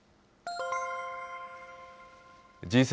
Ｇ７・